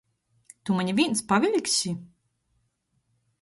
Tu mani vīns paviļksi?...